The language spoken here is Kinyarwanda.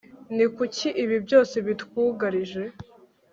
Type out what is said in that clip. ni kuki ibi byose bitwugarije